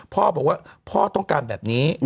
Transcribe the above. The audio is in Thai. พ่อบอกว่าพ่อต้องการแบบนี้